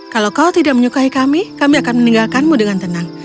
kalau kau tidak menyukai kami kami akan meninggalkanmu dengan tenang